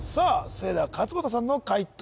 それでは勝間田さんの解答